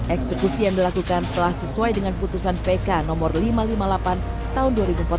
eksekusi yang dilakukan telah sesuai dengan putusan pk no lima ratus lima puluh delapan tahun dua ribu empat belas